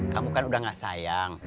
kamu kan udah gak sayang